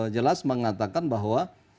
jelas mengatakan bahwa